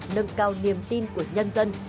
nâng cao niềm tin của nhân dân